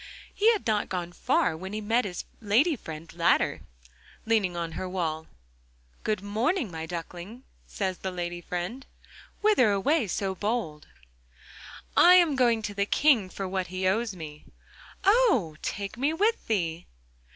He had not gone far when he met his lady friend Ladder, leaning on her wall. 'Good morning, my duckling,' says the lady friend, 'whither away so bold?' 'I am going to the King for what he owes me.' 'Oh! take me with thee!